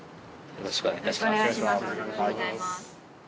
よろしくお願いします